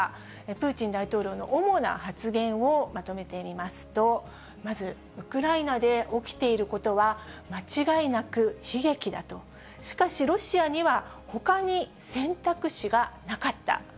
プーチン大統領の主な発言をまとめてみますと、まず、ウクライナで起きていることは、間違いなく悲劇だと、しかしロシアには、ほかに選択肢がなかった。